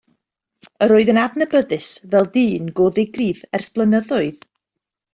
Yr oedd yn adnabyddus fel dyn go ddigrif ers blynyddoedd.